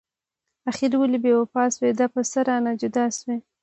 اخر ولې بې وفا شوي؟ دا په څه رانه جدا شوي؟